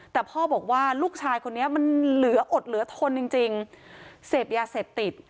แต่พ่อบอกว่าลูกชายคนนี้มันเหลืออดเหลือทนจริงจริงเสพยาเสพติด